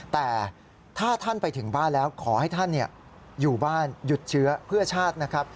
แต่ถ้าท่านไปถึงบ้านแล้วขอให้ท่านอยู่บ้านหยุดเชื้อเพื่อชาตินะครับ